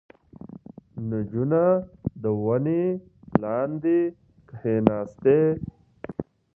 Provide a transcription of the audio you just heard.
• نجونه د ونې لاندې کښېناستې.